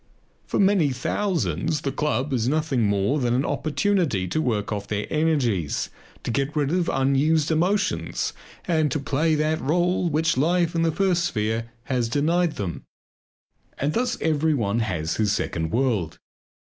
For many thousands the club is nothing more than an opportunity to work off their energies, to get rid of unused emotions and to play that role which life in the first sphere has denied them. And thus everyone has his second world.